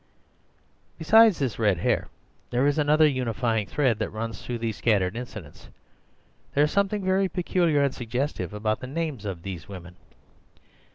"Besides this red hair, there is another unifying thread that runs through these scattered incidents. There is something very peculiar and suggestive about the names of these women.